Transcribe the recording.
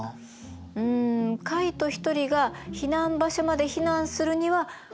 うんカイト一人が避難場所まで避難するにはこれでいいと思う。